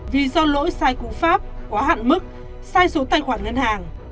vì do lỗi sai cụ pháp quá hạn mức sai số tài khoản ngân hàng